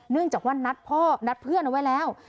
จากว่านัดพ่อนัดเพื่อนเอาไว้แล้ว